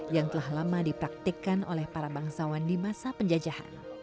yang telah lama dipraktikkan oleh para bangsawan di masa penjajahan